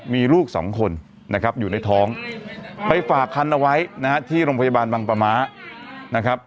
มีลูกสองคนนะครับอยู่ในท้องไปฝากคันเอาไว้นะฮะที่โรงพยาบาลบังปะม้านะครับ